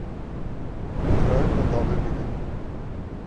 Ezraîl hat avê bîne